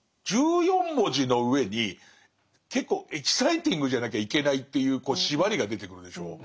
１４文字の上に結構エキサイティングじゃなきゃいけないっていうこう縛りが出てくるでしょう。